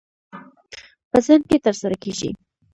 په ذهن کې ترسره کېږي.